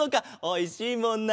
おいしいもんな！